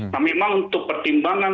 nah memang untuk pertimbangan